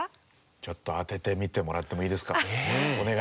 ちょっと当ててみてもらってもいいですか？